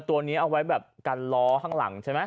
ตัวนี้เอาไว้แบบกันล้อข้างหลังใช่ไหม